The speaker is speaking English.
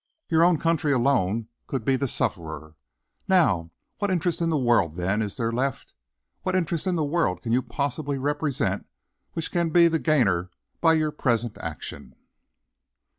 Your own country alone could be the sufferer. Now what interest in the world, then, is there left what interest in the world can you possibly represent which can be the gainer by your present action?"